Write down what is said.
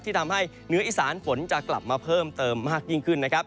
ทำให้เหนืออีสานฝนจะกลับมาเพิ่มเติมมากยิ่งขึ้นนะครับ